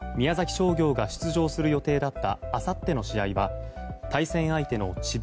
商業が出場する予定だったあさっての試合は対戦相手の智弁